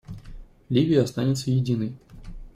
Ливия останется единой.